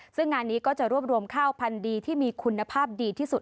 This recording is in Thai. ซึ่งงานนี้ก็จะรวบรวมข้าวพันธุ์ดีที่มีคุณภาพดีที่สุด